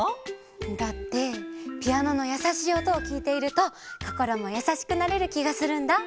だってピアノのやさしいおとをきいているとこころもやさしくなれるきがするんだ。